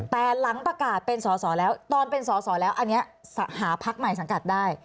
แต่หลังประกาศเป็นสอสอแล้วตอนเป็นสอสอแล้วอันนี้หาพักใหม่สังกัดได้